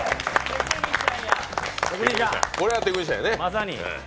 これはテクニシャンやね。